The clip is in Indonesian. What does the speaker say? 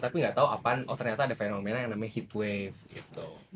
tapi gak tau apaan oh ternyata ada fenomena yang namanya heat wave gitu